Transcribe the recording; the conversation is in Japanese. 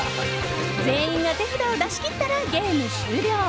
全員が手札を出し切ったらゲーム終了。